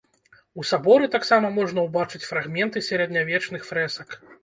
У саборы таксама можна ўбачыць фрагменты сярэднявечных фрэсак.